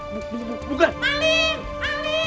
malin itu tuh malin